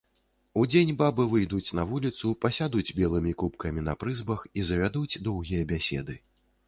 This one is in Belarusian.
Удзень бабы выйдуць на вуліцу, пасядуць белымі купкамі на прызбах і завядуць доўгія бяседы.